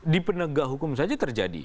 di penegak hukum saja terjadi